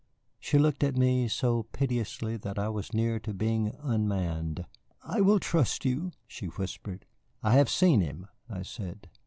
She looked at me so piteously that I was near to being unmanned. "I will trust you," she whispered. "I have seen him," I said.